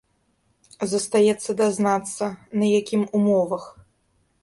Застаецца дазнацца, на якім умовах.